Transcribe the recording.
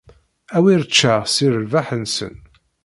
Awer ččeɣ si lerbaḥ-nsen.